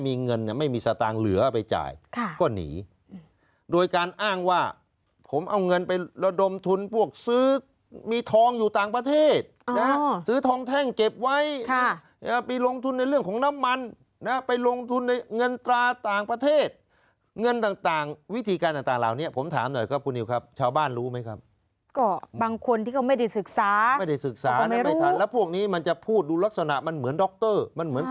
มีทองอยู่ต่างประเทศนะฮะซื้อทองแท่งเก็บไว้ค่ะไปลงทุนในเรื่องของน้ำมันนะฮะไปลงทุนในเงินตราต่างประเทศเงินต่างต่างวิธีการต่างต่างเหล่านี้ผมถามหน่อยครับคุณนิวครับชาวบ้านรู้ไหมครับก็บางคนที่เขาไม่ได้ศึกษาไม่ได้ศึกษาแล้วพวกนี้มันจะพูดดูลักษณะมันเหมือนด็อกเตอร์มันเหมื